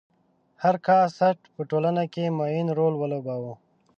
هر کاسټ په ټولنه کې معین رول ولوباوه.